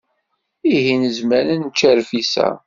Ihi nezmer ad nečč rfis-a?